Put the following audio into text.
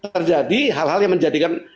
terjadi hal hal yang menjadikan